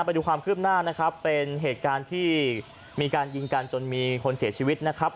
ไปดูความคืบหน้านะครับเป็นเหตุการณ์ที่มีการยิงกันจนมีคนเสียชีวิตนะครับ